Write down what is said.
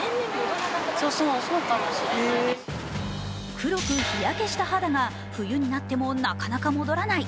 黒く日焼けした肌が、冬になってもなかなか戻らない。